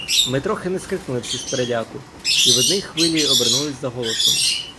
Ми трохи не скрикнули всі з переляку, і в одній хвилі обернулися за голосом.